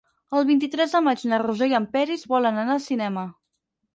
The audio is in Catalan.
El vint-i-tres de maig na Rosó i en Peris volen anar al cinema.